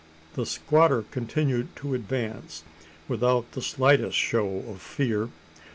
The squatter continued to advance, without the slightest show of fear.